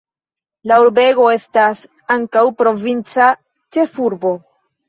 La urbego estas ankaŭ provinca ĉefurbo.